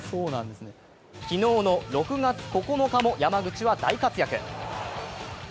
昨日の６月９日も山口は大活躍。